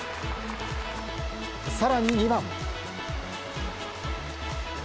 更に、２番。